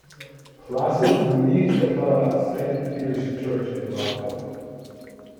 Placide Louis Chapelle at Saint Peter's Church in Rockville.